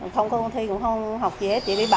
không có thi cũng không học gì hết